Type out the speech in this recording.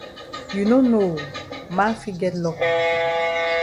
You no know oo man fit get lucky.